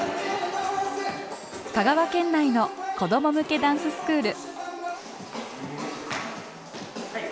香川県内の子ども向けダンススクール。